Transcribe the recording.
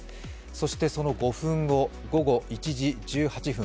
そしてその５分後、午後１時１８分。